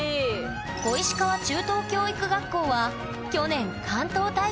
小石川中等教育学校は去年関東大会優勝。